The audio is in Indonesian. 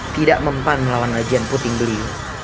tidak mempan melawan ajian puting beli